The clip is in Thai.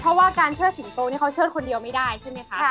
เพราะว่าการเชิดสิงโตนี่เขาเชิดคนเดียวไม่ได้ใช่ไหมคะ